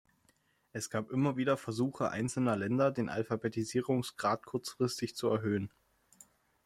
Es gab immer wieder Versuche einzelner Länder, den Alphabetisierungsgrad kurzfristig zu erhöhen.